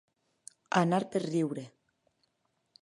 Anar per riure.